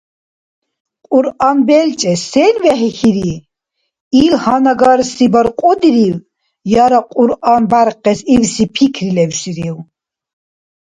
Кьуръан белчӏес сен вехӏихьири? Ил гьанагарси баркьудирив яра Кьуръан бяркъес ибси пикри лебсирив?